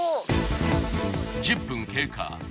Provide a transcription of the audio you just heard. １０分経過。